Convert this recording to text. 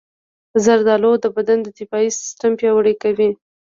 زردالو د بدن دفاعي سیستم پیاوړی کوي.